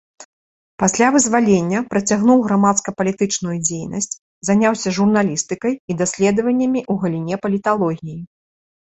Пасля вызвалення працягнуў грамадска-палітычную дзейнасць, заняўся журналістыкай і даследваннямі ў галіне паліталогіі.